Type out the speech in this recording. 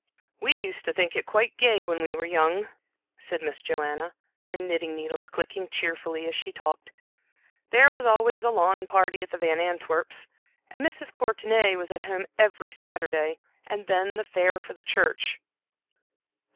"We used to think it quite gay when we were young," said Miss Joanna, her knitting needles clicking cheerfully as she talked. "There was always a lawn party at the Van Antwerps', and Mrs. Courtenay was at home every Saturday, and then the fair for the church."